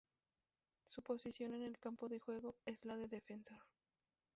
Su posición en el campo de juego es la de defensor.